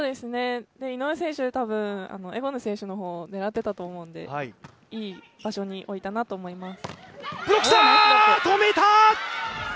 井上選手、たぶんエゴヌ選手を狙ってたと思うのでいい場所に置いたなと思います。